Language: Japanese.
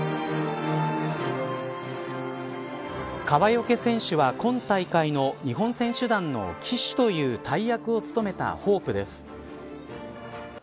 川除選手は今大会の日本選手団の旗手という大役を務めたホープです。